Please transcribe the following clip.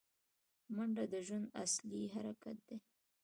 منډه د ژوند اصلي حرکت دی